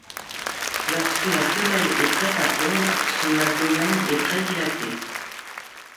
Lorsque la femelle est prête à pondre, son abdomen est très dilaté.